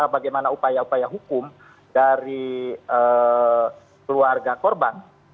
bagaimana upaya upaya hukum dari keluarga korban